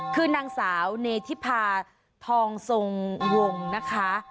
คือนางสาวเนธิพาทองทรงวงนะคะ